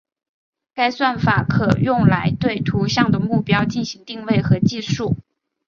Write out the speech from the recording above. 该算法可用来对图像的目标进行定位和计数。